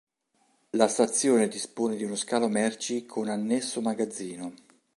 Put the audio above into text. La stazione dispone di uno scalo merci con annesso magazzino.